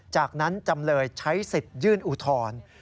จากนั้นจำเลยใช้สิทธิ์ยื่นอุทธรณ์